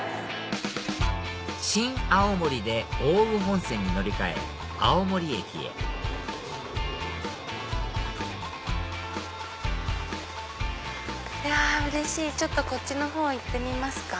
新青森で奥羽本線に乗り換え青森駅へいやうれしいちょっとこっちのほう行ってみますか？